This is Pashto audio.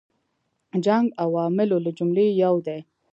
جنګ عواملو له جملې یو دی.